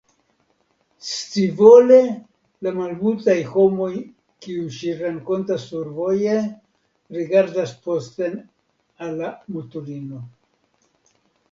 Scivole la malmultaj homoj, kiujn ŝi renkontas survoje, rigardas posten al la mutulino.